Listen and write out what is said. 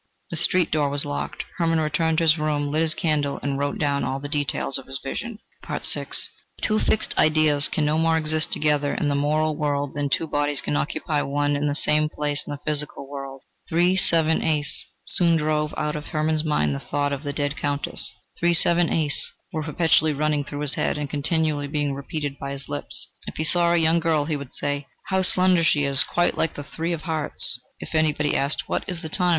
The street door was locked. Hermann returned to his room, lit his candle, and wrote down all the details of his vision. VI Two fixed ideas can no more exist together in the moral world than two bodies can occupy one and the same place in the physical world. "Three, seven, ace," soon drove out of Hermann's mind the thought of the dead Countess. "Three, seven, ace," were perpetually running through his head and continually being repeated by his lips. If he saw a young girl, he would say: "How slender she is! quite like the three of hearts." If anybody asked: "What is the time?"